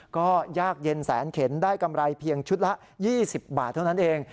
ก็ยากเย็นแสนเข็นได้กำไรเพียงชุดละ๒๐บาทเท่านั้นเอง